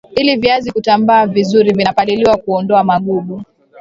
ili viazi kutambaa vizuri vinapaliliwa kuondoa magugu